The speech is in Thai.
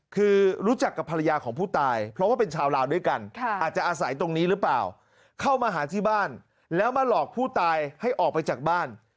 คือรู้จักกับภรรยาของผู้ตายเพราะว่าเป็นชาวลาวด้วยกันอาจจะอาศัยตรงนี้หรือเปล่าเข้ามาหาที่บ้านแล้วมาหลอกผู้ตายให้ออกไปจากบ้าน